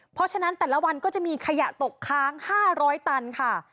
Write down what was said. เพราะฉะนั้นแต่ละวันก็จะมีขยะตกค้าง๕๐๐ตันค่ะ